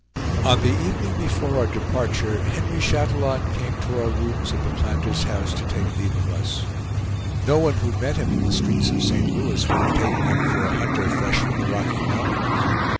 On the evening before our departure Henry Chatillon came to our rooms at the Planters' House to take leave of us. No one who met him in the streets of St. Louis would have taken him for a hunter fresh from the Rocky Mountains.